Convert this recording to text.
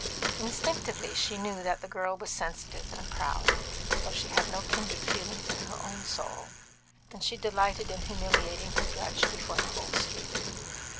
Instinctively she knew that the girl was sensitive and proud, though she had no kindred feelings in her own soul, and she delighted in humiliating her drudge before the whole street.